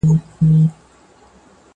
روغ زړه درواخله خدایه بیا یې کباب راکه,